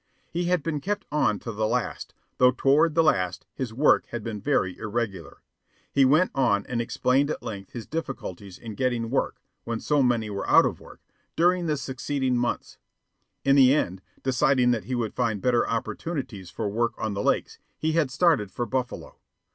He had been kept on to the last, though toward the last his work had been very irregular. He went on and explained at length his difficulties in getting work (when so many were out of work) during the succeeding months. In the end, deciding that he would find better opportunities for work on the Lakes, he had started for Buffalo.